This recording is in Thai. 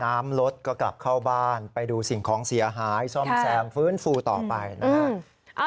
น้ำรถก็กลับเข้าบ้านไปดูสิ่งของเสียหายซ่อมแซมฟื้นฟูต่อไปนะฮะ